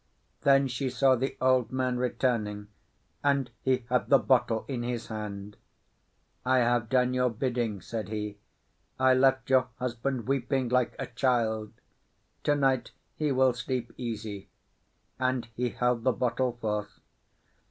Then she saw the old man returning, and he had the bottle in his hand. "I have done your bidding," said he. "I left your husband weeping like a child; to night he will sleep easy." And he held the bottle forth.